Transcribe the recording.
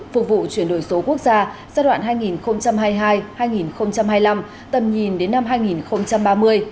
phục vụ chuyển đổi số quốc gia giai đoạn hai nghìn hai mươi hai hai nghìn hai mươi năm tầm nhìn đến năm hai nghìn ba mươi